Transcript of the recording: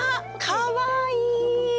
かわいい！